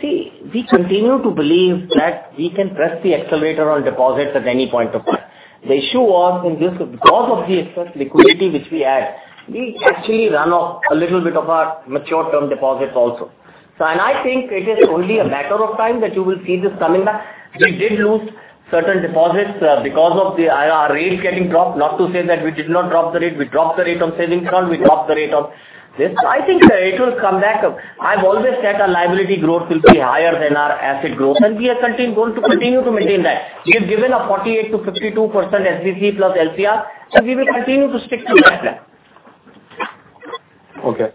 See, we continue to believe that we can press the accelerator on deposits at any point of time. The issue was in this, because of the excess liquidity which we had, we actually run off a little bit of our mature term deposits also. I think it is only a matter of time that you will see this coming back. We did lose certain deposits because of our rates getting dropped. Not to say that we did not drop the rate. We dropped the rate on savings account. We dropped the rate on this. I think it will come back up. I've always said our liability growth will be higher than our asset growth, and we are going to continue to maintain that. We have given a 48%-52% CASA plus LCR, and we will continue to stick to that plan. Okay.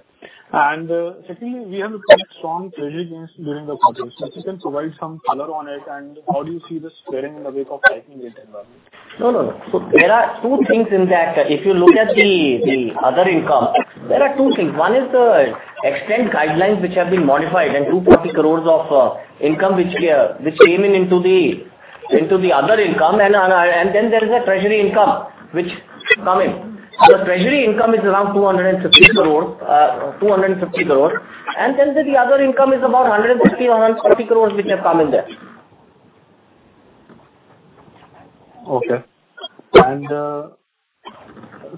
Secondly, we have a quite strong treasury gains during the quarter. If you can provide some color on it and how do you see this playing in the wake of hiking rate environment? No, no. There are two things in that. If you look at the other income, there are two things. One is the ECL guidelines which have been modified and 250 crores of income which came in into the other income and then there is a treasury income which comes in. The treasury income is around 250 crore. Then the other income is about 150-150 crores which have come in there. Okay.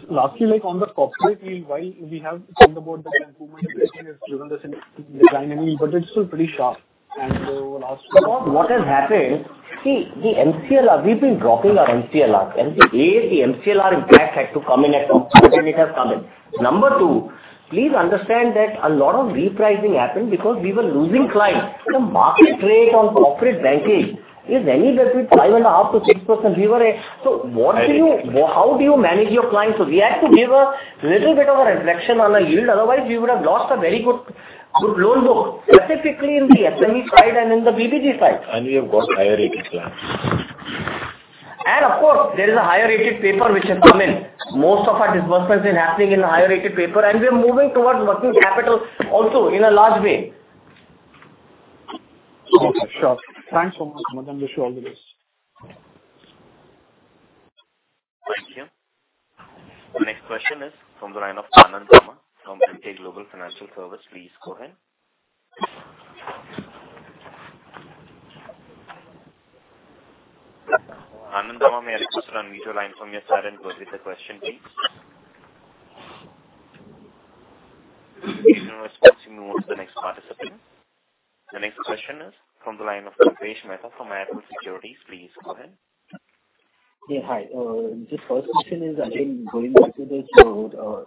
Lastly, like on the corporate yield, while we have talked about the improvement in the credit given the significant decline, I mean, but it's still pretty sharp. I would ask about- What has happened? See the MCLR. We've been dropping our MCLR. A, the MCLR impact had to come in at some stage, and it has come in. Number two, please understand that a lot of repricing happened because we were losing clients. The market rate on corporate banking is anywhere between 5.5%-6%. We were. So what do you- I hear you. How do you manage your clients? We had to give a little bit of a reflection on a yield, otherwise we would have lost a very good loan book, specifically in the SME side and in the BBG side. You have got higher-rated clients. Of course, there is a higher-rated paper which has come in. Most of our disbursements is happening in the higher-rated paper, and we are moving towards working capital also in a large way. Okay. Sure. Thanks so much, Suman. Bishu, all the best. Thank you. The next question is from the line of Anand Dama from Emkay Global Financial Services. Please go ahead. Anand Dama, may I request you to unmute your line from your side and proceed with the question, please? There is no response. We move to the next participant. The next question is from the line of Yash Mehta from Edelweiss Securities. Please go ahead. The first question is again going back to the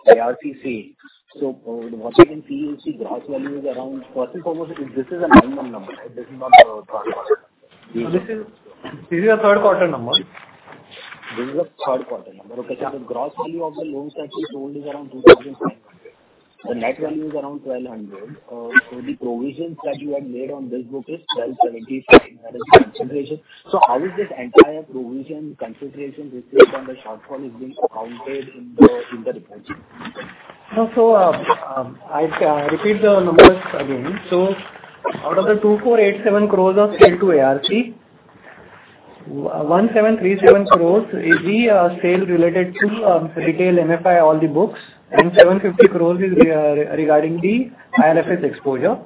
IRTC. Once again, we see gross value is around INR 1,440. This is a nine-month number. It is not Q3. This is a Q3 number. [CROSSTALK] This is a Q3 number. Okay. The gross value of the loans that you sold is around 2,500. The net value is around 1,200. The provisions that you had made on this book is 1,277. That is the consideration. How is this entire provision consideration risk based on the shortfall being accounted in the reports? No. I'll repeat the numbers again. So out of the 2,487 crores of sale to ARC, 1,737 crores is the sale related to retail MFI, all the books. Seven fifty crores is regarding the IL&FS exposure.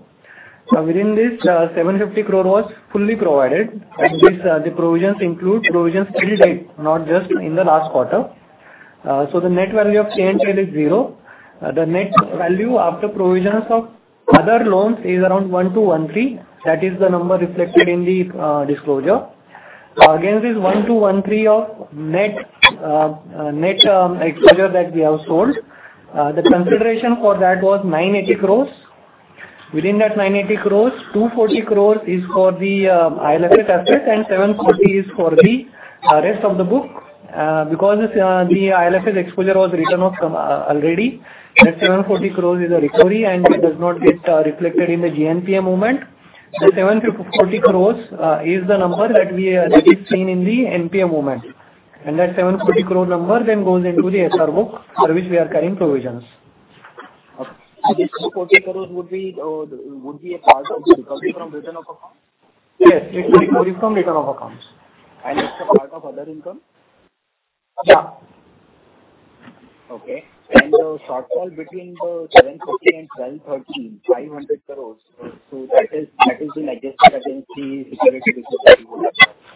Now, within this, seven fifty crore was fully provided. Like this, the provisions include provisions till date, not just in the last quarter. The net value of CNT is zero. The net value after provisions of other loans is around 1,213. That is the number reflected in the disclosure. Against this 1,213 of net exposure that we have sold, the consideration for that was 980 crores. Within that 980 crores, 240 crores is for the IL&FS asset and 740 is for the rest of the book. Because this, the IL&FS exposure was written off already, that 740 crore is a recovery and it does not get reflected in the GNPA movement. The 740 crore is the number that is seen in the NPA movement. That 740 crore number then goes into the SR book for which we are carrying provisions. Okay. This 740 crore would be a part of the recovery from written off accounts? Yes, it's a recovery from written off accounts. It's a part of other income? Yeah. Okay. The shortfall between the 740 and 1213, 500 crores, so that is the negative, that is the security receipts that you would issue, right? No,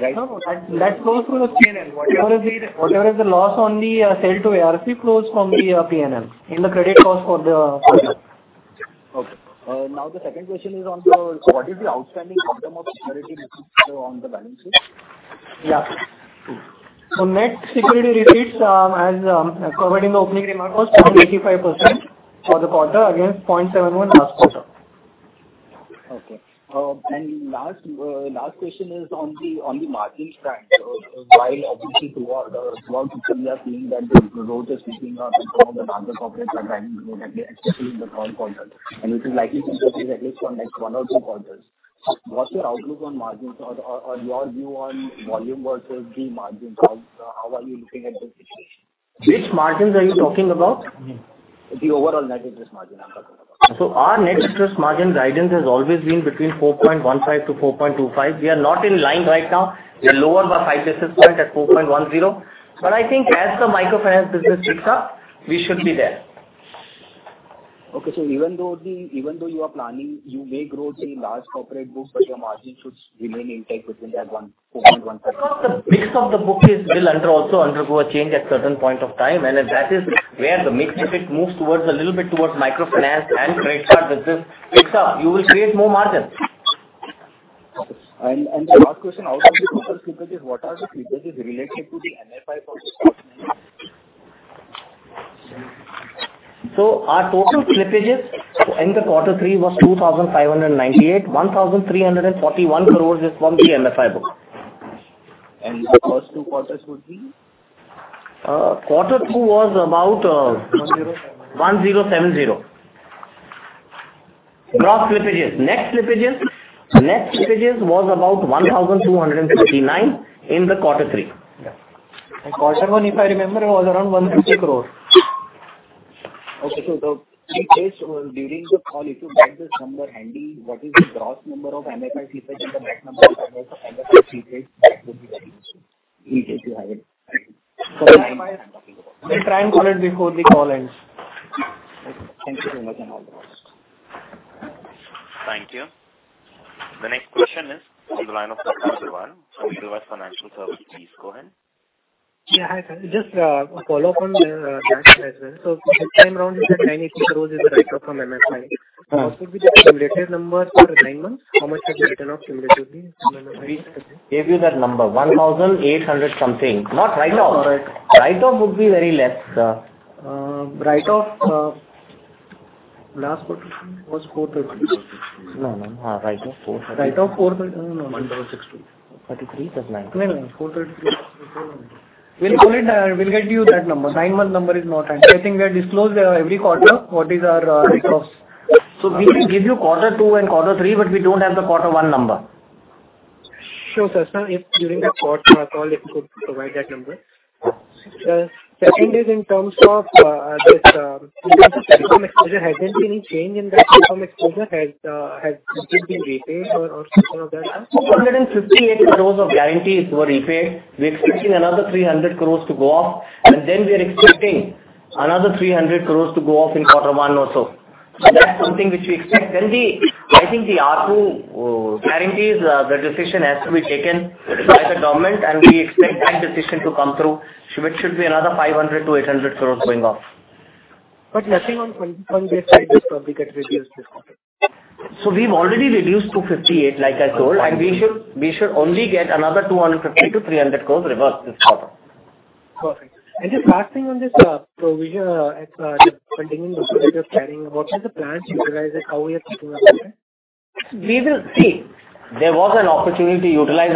that goes to the PNL. Whatever is the PNL. Whatever is the loss on the sale to ARC flows from the PNL in the credit cost for the full year. Okay. Now the second question is on the what is the outstanding quantum of security receipts still on the balance sheet? Yeah. Mm-hmm. Net security receipts, as provided in the opening remarks, was 0.85% for the quarter against 0.71% last quarter. Okay. Last question is on the margin front. While obviously throughout Q3, we are seeing that the growth is picking up in some of the larger corporate segments, you know, especially in the core quarter, and which is likely to continue at least for next one or two quarters, what's your outlook on margins or your view on volume versus the margins? How are you looking at this situation? Which margins are you talking about? The overall net interest margin I'm talking about. Our net interest margin guidance has always been between 4.15%-4.25%. We are not in line right now. We are lower by five basis points at 4.10%. I think as the microfinance business picks up, we should be there. Even though you are planning, you may grow the large corporate book, but your margin should remain intact within that 4.15%. The mix of the book will also undergo a change at certain point of time. That is where the mix, if it moves a little bit towards microfinance and credit card business picks up, you will create more margin. The last question, out of the total slippages, what are the slippages related to the MFI portfolios? Our total slippages in Q3 was 2,598 crore. 1,341 crore is from the MFI book. The first two quarters would be? Quarter 2 was about. 1079. INR 1,070 crore. Gross slippages. Net slippages was about 1,259 crore in quarter three. Yeah. Quarter one, if I remember, was around 100 crore. Okay. The slippage, during the call if you get this number handy, what is the gross number of MFI slippage and the net number of MFI slippage, that would be very useful if you have it. We'll try and- That's what I'm talking about. We'll try and get it before the call ends. Okay. Thank you so much, and all the best. Thank you. The next question is on the line of Mr. Dhawan from Edelweiss Financial Services. Please go ahead. Yeah, Hi Sir. Just a follow-up on banks as well. This time around, you said INR 980 crore is the write-off from MFI. Mm-hmm. What would be the cumulative number for nine months? How much have you written off cumulatively from MFI business? Gave you that number. 1,800-something. Not write-off. Write-off. Write-off would be very less. Write-off, last quarter was 433. No, no. Write-off INR 430- Write-off 430- no. [CROSSTALK] 1,060. 33 + 9. No, no. 433 We'll call it. We'll get you that number. Nine-month number is not handy. I think we have disclosed every quarter what is our write-offs. We can give you Q2 and Q3, but we don't have the Q1 number. Sure, sir. If during the post-press call you could provide that number. Second is in terms of platform exposure, has there been any change in that platform exposure? Has it been repaid or some of that? 458 crores of guarantees were repaid. We're expecting another 300 crores to go off, and then we are expecting another 300 crores to go off in quarter one or so. That's something which we expect. I think the R-Two guarantees, the decision has to be taken by the government, and we expect that decision to come through. Should be another 500-800 crores going off. Nothing on this side has probably got reduced this quarter. We've already reduced to 58, like I told, and we should only get another 250-300 crores reversed this quarter. Perfect. Just last thing on this, provision, the continuing provision you're carrying, what is the plan to utilize it? How are you thinking of that? We will see. There was an opportunity to utilize.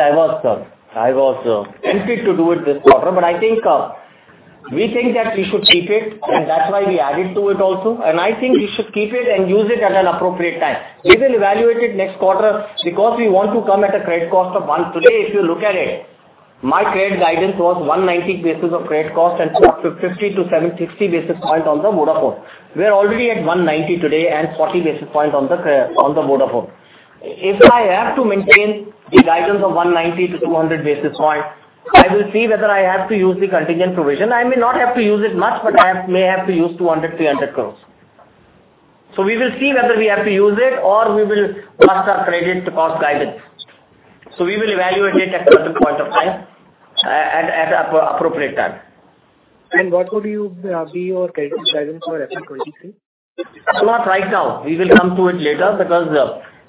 I was tempted to do it this quarter, but I think we think that we should keep it, and that's why we added to it also. I think we should keep it and use it at an appropriate time. We will evaluate it next quarter because we want to come at a credit cost of 1%. Today, if you look at it. My credit guidance was 190 basis points of credit cost and +50-760 basis points on the Vodafone Idea. We're already at 190 today and 40 basis points on the Vodafone Idea. If I have to maintain the guidance of 190-200 basis points, I will see whether I have to use the contingent provision. I may not have to use it much, but I may have to use 200 crore, 300 crore. We will see whether we have to use it or we will pass our credit cost guidance. We will evaluate it at a certain point of time, at appropriate time. What would be your credit guidance for FY 2023? Not right now. We will come to it later because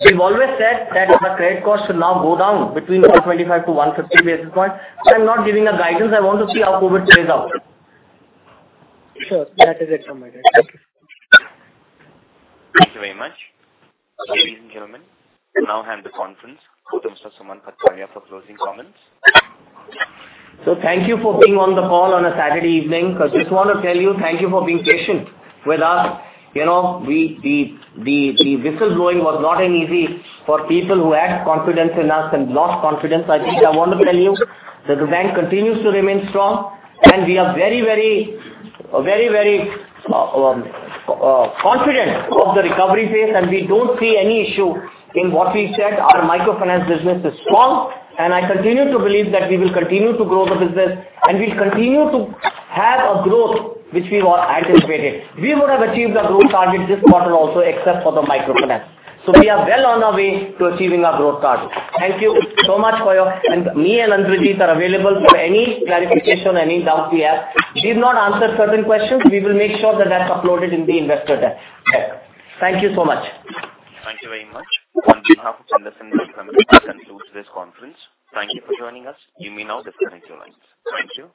we've always said that our credit cost should now go down between 125-150 basis points. I'm not giving a guidance. I want to see how COVID plays out. Sure. That is it from my end. Thank you. Thank you very much. Ladies and gentlemen, we'll now hand the conference over to Mr. Sumant Kathpalia for closing comments. Thank you for being on the call on a Saturday evening. I just wanna tell you thank you for being patient with us. The whistleblowing was not an easy for people who had confidence in us and lost confidence. I think I want to tell you that the bank continues to remain strong and we are very confident of the recovery phase, and we don't see any issue in what we said. Our microfinance business is strong and I continue to believe that we will continue to grow the business and we'll continue to have a growth which we all anticipated. We would have achieved our growth target this quarter also except for the microfinance. We are well on our way to achieving our growth target. Thank you so much for your. Me and Arun Khurana are available for any clarification, any doubts we have. We've not answered certain questions. We will make sure that that's uploaded in the investor deck. Thank you so much. Thank you very much. On behalf of Induslnd, we thank you and close this conference. Thank you for joining us. You may now disconnect your lines. Thank you.